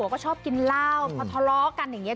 ก็ชอบกินเหล้าพอทะเลาะกันอย่างนี้